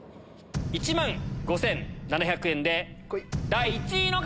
１万５７００円で第１位の方！